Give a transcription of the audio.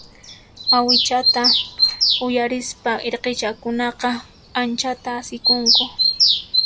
Awichuta uyarispa irqichakunaqa anchata asikunku.